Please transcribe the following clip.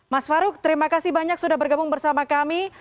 mas farouk terima kasih banyak sudah bergabung bersama kami